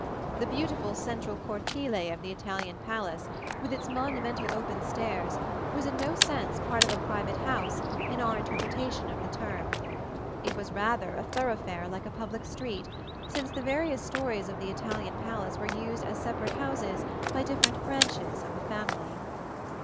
The beautiful central cortile of the Italian palace, with its monumental open stairs, was in no sense part of a "private house" in our interpretation of the term. It was rather a thoroughfare like a public street, since the various stories of the Italian palace were used as separate houses by different branches of the family.